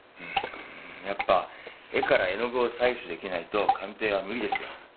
やっぱ絵から絵の具を採取出来ないと鑑定は無理ですよ。